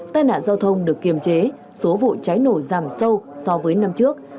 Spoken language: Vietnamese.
tai nạn giao thông được kiềm chế số vụ cháy nổ giảm sâu so với năm trước